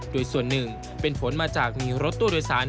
โดยส่วนหนึ่งเป็นผลมาจากมีรถตู้โดยสาร